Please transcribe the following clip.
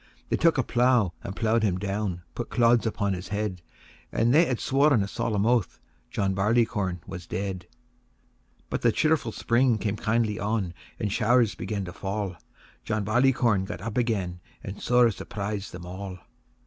II. They took a plough and plough'd him down, Put clods upon his head; And they ha'e sworn a solemn oath John Barleycorn was dead. III. But the cheerful spring came kindly on, And show'rs began to fall; John Barleycorn got up again, And sore surpris'd them all.